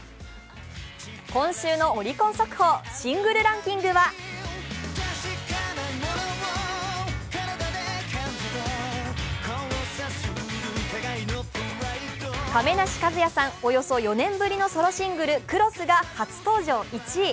今週のオリコン速報シングルランキングは亀梨和也さん、およそ４年ぶりのソロシングル「Ｃｒｏｓｓ」が初登場１位。